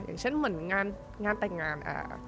อย่างเช่นเหมือนงานแต่งงาน